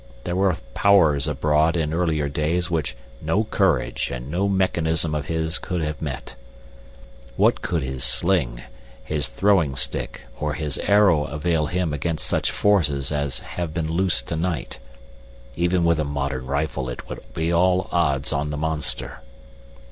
There were powers abroad in earlier days which no courage and no mechanism of his could have met. What could his sling, his throwing stick, or his arrow avail him against such forces as have been loose to night? Even with a modern rifle it would be all odds on the monster."